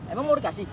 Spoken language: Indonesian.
emang mau dikasih